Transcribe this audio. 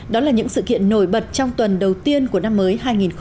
đó là những sự kiện nổi bật trong tuần đầu tiên của năm mới hai nghìn một mươi bảy